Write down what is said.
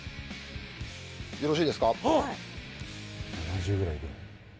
よろしいですか？